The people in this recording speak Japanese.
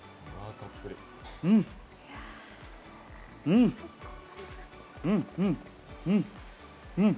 うん、うん！